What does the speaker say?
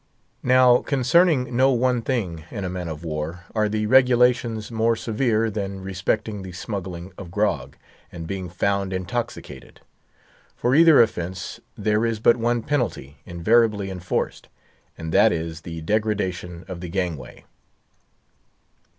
Now, concerning no one thing in a man of war, are the regulations more severe than respecting the smuggling of grog, and being found intoxicated. For either offence there is but one penalty, invariably enforced; and that is the degradation of the gangway.